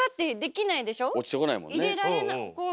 入れられない